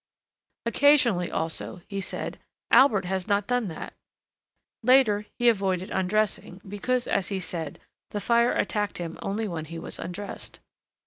Occasionally, also, he said: "Albert has not done that." Later he avoided undressing, because, as he said, the fire attacked him only when he was undressed.